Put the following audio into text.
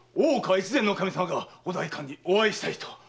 越前守様がお代官にお会いしたいと。